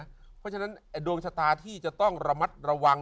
เพราะฉะนั้นดวงชะตาที่จะต้องระมัดระวัง